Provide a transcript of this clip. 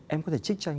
em có thể trích cho anh